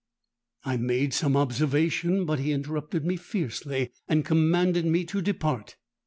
_'—I made some observation; but he interrupted me fiercely, and commanded me to depart.